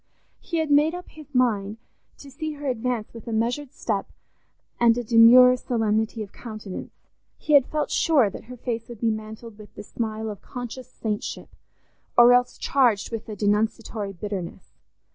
He had made up his mind to see her advance with a measured step and a demure solemnity of countenance; he had felt sure that her face would be mantled with the smile of conscious saintship, or else charged with denunciatory bitterness.